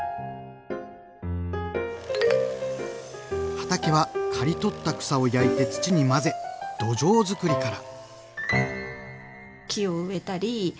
畑は刈り取った草を焼いて土に混ぜ土壌づくりから。